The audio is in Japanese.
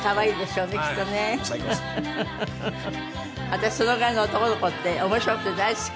私そのぐらいの男の子って面白くて大好き。